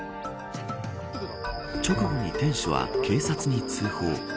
直後に店主は警察に通報。